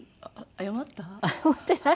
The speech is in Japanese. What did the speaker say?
謝ってない。